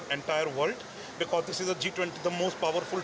untuk menambahkan startup kita ke seluruh dunia